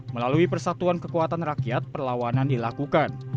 melalui persatuan kekuatan rakyat perlawanan dilakukan